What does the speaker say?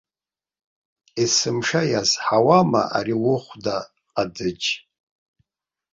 Есымша иазҳауама ари ухәда ҟадыџь!